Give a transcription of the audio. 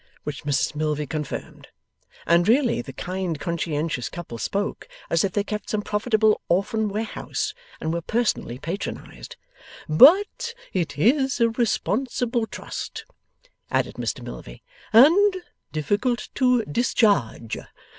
Which Mrs Milvey confirmed; and really the kind, conscientious couple spoke, as if they kept some profitable orphan warehouse and were personally patronized. 'But it is a responsible trust,' added Mr Milvey, 'and difficult to discharge.